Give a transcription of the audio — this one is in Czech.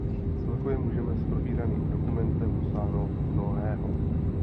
Celkově můžeme s probíraným dokumentem dosáhnout mnohého.